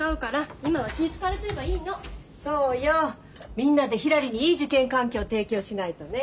みんなでひらりにいい受験環境提供しないとね。